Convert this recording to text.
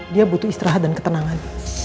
dia butuh istirahat dan ketenangan